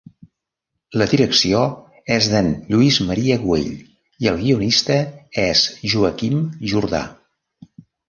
La direcció és d'en Lluís Maria Güell i el guionista és Joaquim Jordà.